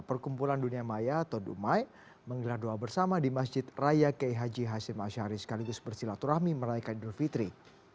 perkumpulan dunia maya atau dumai menggelar doa bersama di masjid raya k h h asyari sekaligus bersilaturahmi meraika idul fitri